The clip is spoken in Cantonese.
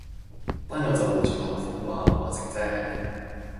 班友就會轉口風話搵食啫